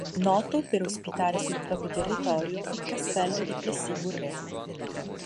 Noto per ospitare sul proprio territorio il Castello di Plessis-Bourré.